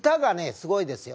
すごいですよ。